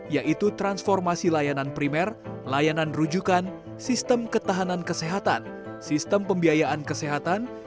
yaitu transformasi layanan primer layanan rujukan sistem ketahanan kesehatan sistem pembiayaan kesehatan